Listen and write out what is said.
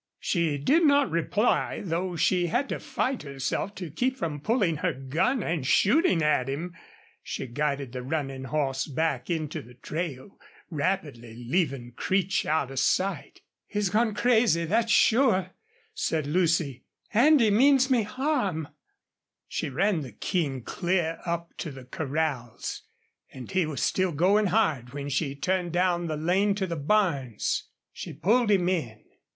She did not reply, though she had to fight herself to keep from pulling her gun and shooting at him. She guided the running horse back into the trail, rapidly leaving Creech out of sight. "He's gone crazy, that's sure," said Lucy. "And he means me harm!" She ran the King clear up to the corrals, and he was still going hard when she turned down the lane to the barns. Then she pulled him in.